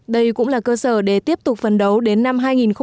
đây cũng là cơ sở để tiếp tục phần đấu đến năm hai nghìn hai mươi